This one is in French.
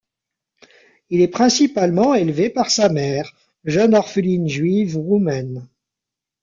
Il est principalement élevé par sa mère, jeune orpheline juive roumaine.